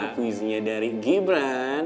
kuisinya dari gibran